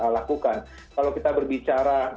lakukan kalau kita berbicara